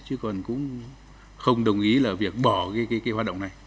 chứ còn cũng không đồng ý là việc bỏ cái hoạt động này